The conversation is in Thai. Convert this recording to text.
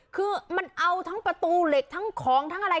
คือมันเอาทั้งประตูเหล็กทั้งของทั้งอะไร